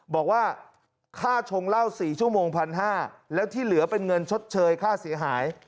บอกว่าค่าชงเหล้า๔ชั่วโมง๑๕๐๐บาทแล้วที่เหลือเป็นเงินชดเชยค่าเสียหาย